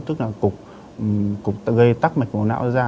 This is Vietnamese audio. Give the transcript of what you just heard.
tức là cục gây tắc mạch máu não ra